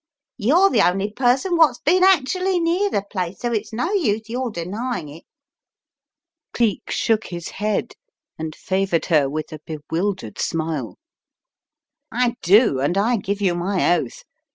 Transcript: You're the only person wot's bin actually near the place, so it's no use your denying it." Cleek shook his head, and favoured her with a bewildered smile. "I do, and I give you my oath.